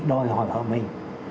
đòi hỏi vào mình